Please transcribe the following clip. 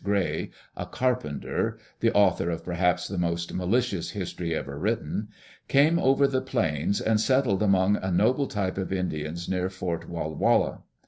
Gray, a carpenter (the author of perhaps the most malicious history ever written), came over the plains, and settled among a noble type of Indians near Fort Walla Walla.